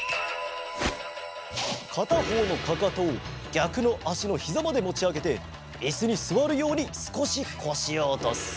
かたほうのかかとをぎゃくのあしのひざまでもちあげていすにすわるようにすこしこしをおとす。